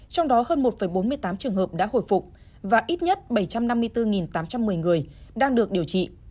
trong đó hơn một bốn mươi tám trường hợp đã hồi phục và ít nhất bảy trăm năm mươi bốn tám trăm một mươi người đang được điều trị